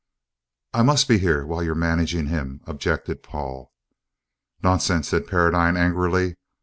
"I I must be here while you are managing him," objected Paul. "Nonsense!" said Paradine angrily.